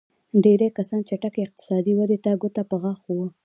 ډېری کسان چټکې اقتصادي ودې ته ګوته په غاښ وو.